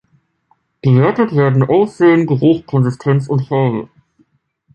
Bewertet werden Aussehen, Geruch, Konsistenz und Farbe.